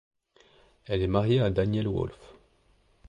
Elle est mariée à Daniel Wolf.